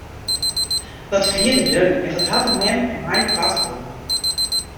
Wat wie er deun en wat hat er mem en my koart holden!